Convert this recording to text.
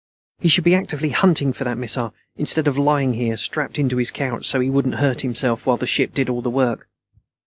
He should be actively hunting for that missile, instead of lying here, strapped into his couch so he wouldn't hurt himself, while the ship did all the work.